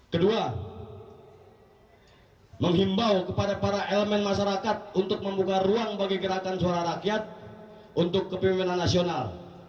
kedua menghimbau kepada para elemen masyarakat untuk membuka ruang bagi gerakan suara rakyat untuk kepemimpinan nasional